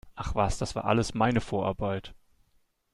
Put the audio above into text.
Ach was, das war alles meine Vorarbeit!